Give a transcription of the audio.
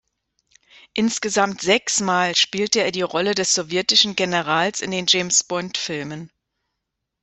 Insgesamt sechs Mal spielte er die Rolle des sowjetischen Generals in den James-Bond-Filmen.